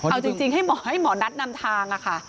เอาจริงให้หมอนัทนำทางค่ะ